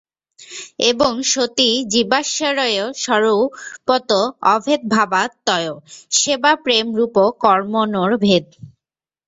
এবং সতি জীবেশ্বরয়ো স্বরূপত অভেদভাবাৎ তয়ো সেবাপ্রেমরূপকর্মণোরভেদঃ।